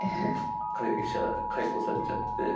会社、解雇されちゃって。